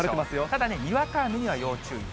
ただにわか雨には要注意。